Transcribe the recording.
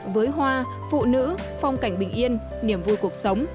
với hoa phụ nữ phong cảnh bình yên niềm vui cuộc sống